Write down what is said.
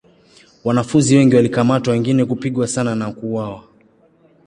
Wanafunzi wengi walikamatwa wengine kupigwa sana na kuuawa.